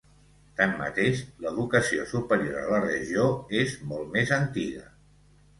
Tanmateix, l'educació superior a la regió és molt més antiga.